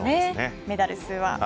メダル数は。